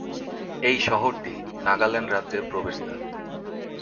এই শহরটি নাগাল্যান্ড রাজ্যের প্রবেশদ্বার।